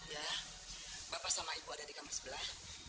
ya bapak sama ibu ada di kamar sebelah